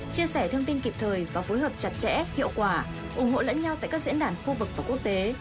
chia sẻ thông tin kịp thời và phối hợp chặt chẽ hiệu quả ủng hộ lẫn nhau tại các diễn đàn khu vực và quốc tế